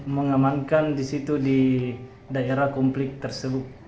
mengamankan di situ di daerah konflik tersebut